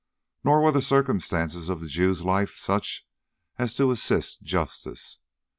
Nor were the circumstances of the Jew's life such as to assist justice.